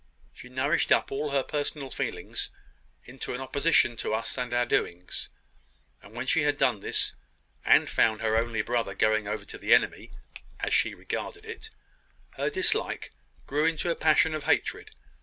She nourished up all her personal feelings into an opposition to us and our doings; and when she had done this, and found her own only brother going over to the enemy, as she regarded it, her dislike grew into a passion of hatred.